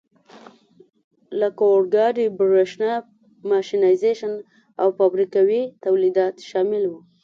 لکه اورګاډي، برېښنا، ماشینایزېشن او فابریکوي تولیدات شامل وو.